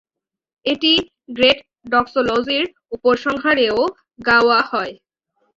এটি গ্রেট ডক্সোলজির উপসংহারেও গাওয়া হয়।